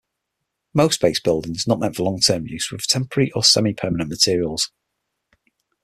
Most base buildings, not meant for long-term use, were of temporary or semi-permanent materials.